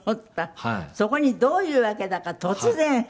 そこにどういうわけだか突然欽ちゃんが。